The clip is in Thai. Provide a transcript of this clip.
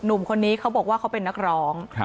หนุ่มคนนี้เขาบอกว่าเขาเป็นนักร้อง